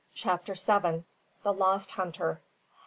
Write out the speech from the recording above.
CHAPTER SEVEN. THE LOST HUNTER.